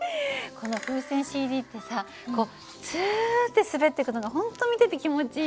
この風船ＣＤってさこうツッて滑っていくのが本当見てて気持ちいいよね。